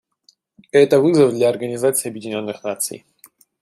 И это вызов для Организации Объединенных Наций.